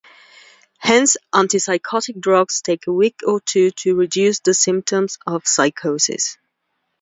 Hence antipsychotic drugs take a week or two to reduce the symptoms of psychosis.